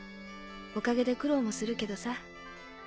おかげで苦労もするけどさ。